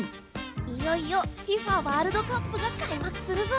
いよいよＦＩＦＡワールドカップが開幕するぞ！